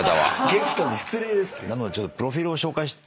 ゲストに失礼ですって。